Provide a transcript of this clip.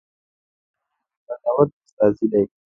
توپک د رحم نه، د قساوت استازی دی.